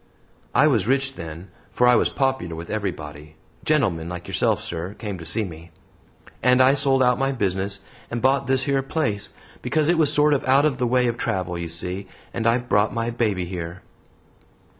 I was rich then, for I was popular with everybody gentlemen like yourself, sir, came to see me and I sold out my business and bought this yer place, because it was sort of out of the way of travel, you see, and I brought my baby here."